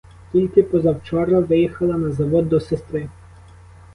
Тільки позавчора виїхала на завод до сестри.